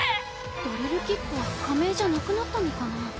「ドリルキック」は仮名じゃなくなったのかな。